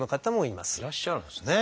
いらっしゃるんですね。